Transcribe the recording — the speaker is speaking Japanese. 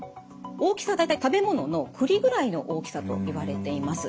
大きさは大体食べ物の栗ぐらいの大きさといわれています。